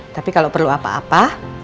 tapi kalau perlu apa apa